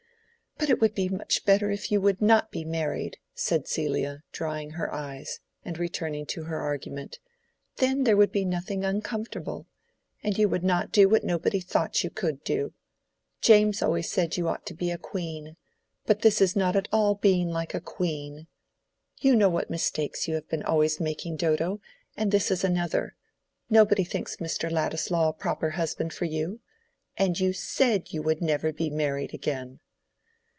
"But it would be much better if you would not be married," said Celia, drying her eyes, and returning to her argument; "then there would be nothing uncomfortable. And you would not do what nobody thought you could do. James always said you ought to be a queen; but this is not at all being like a queen. You know what mistakes you have always been making, Dodo, and this is another. Nobody thinks Mr. Ladislaw a proper husband for you. And you said you would never be married again."